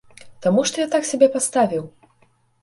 Таму што я так сябе паставіў.